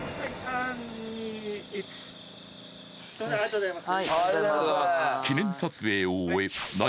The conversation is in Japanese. ありがとうございます